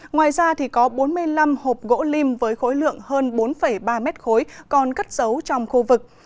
ngoài ra có bốn mươi năm hộp gỗ lim với khối lượng hơn bốn ba mét khối còn cất giấu trong khu vực